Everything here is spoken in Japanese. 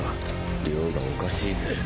量がおかしいぜ。